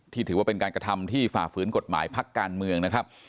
ถือว่าเป็นการกระทำที่ฝ่าฝืนกฎหมายพักการเมืองนะครับ